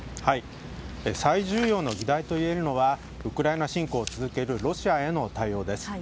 最重要の議題といえるのがウクライナ侵攻を続けるロシアへの対応です。